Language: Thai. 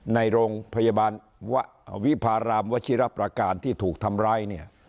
ในโรงพยาบาลวิพารามวชิรประการที่ถูกทำร้ายเนี่ย